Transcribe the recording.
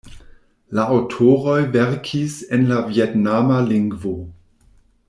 La aŭtoroj verkis en la vjetnama lingvo.